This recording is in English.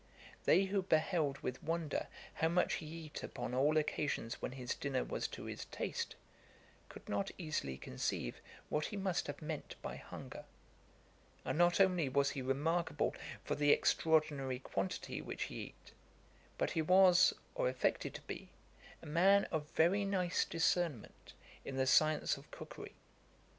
They who beheld with wonder how much he eat upon all occasions when his dinner was to his taste, could not easily conceive what he must have meant by hunger; and not only was he remarkable for the extraordinary quantity which he eat, but he was, or affected to be, a man of very nice discernment in the science of cookery.